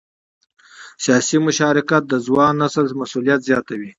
سیاسي مشارکت د ځوان نسل مسؤلیت زیاتوي